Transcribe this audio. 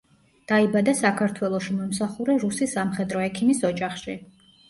დაიბადა საქართველოში მომსახურე რუსი სამხედრო ექიმის ოჯახში.